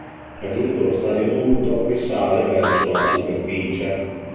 Raggiunto lo stadio adulto risale verso la superficie.